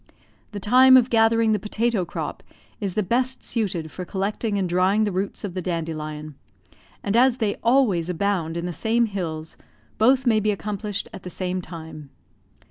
The time of gathering the potato crop is the best suited for collecting and drying the roots of the dandelion; and as they always abound in the same hills, both may be accomplished at the same time.